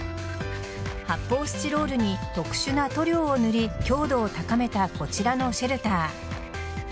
発泡スチロールに特殊な塗料を塗り強度を高めたこちらのシェルター。